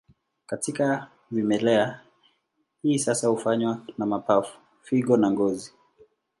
Katika vimelea, hii hasa hufanywa na mapafu, figo na ngozi.